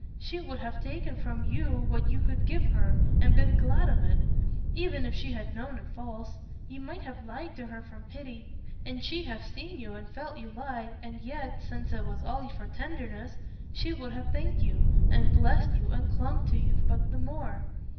She would have taken from you what you could give her and been glad of it, even if she had known it false. You might have lied to her from pity, and she have seen you and felt you lie, and yet since it was all for tenderness she would have thanked you and blessed you and clung to you but the more.